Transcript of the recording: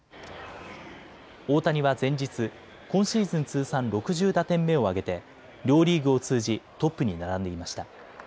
大谷は前日、今シーズン通算６０打点目を挙げて両リーグを通じトップに並んでいました。